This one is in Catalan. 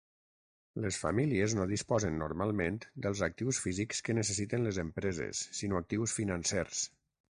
Les famílies no disposen normalment dels actius físics que necessiten les empreses sinó actius financers.